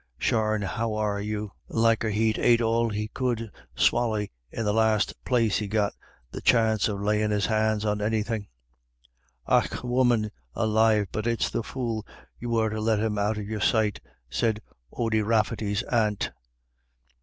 Sharne how are you? Liker he'd ate all he could swally in the last place he got the chance of layin' his hands on anythin'." "Och, woman alive, but it's the fool you were to let him out of your sight," said Ody Rafferty's aunt.